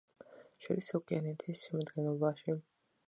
შედის ოკეანეთის შემადგენლობაში.